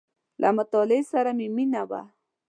• له مطالعې سره مې مینه وه.